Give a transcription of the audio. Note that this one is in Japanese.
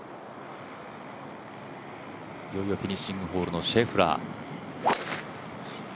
いよいよフィニッシングホールのシェフラー。